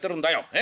え？